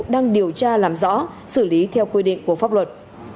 đang điều tra làm rõ xử lý theo quy định của pháp luật